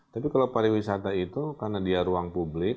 tapi kalau pariwisata itu karena dia ruang publik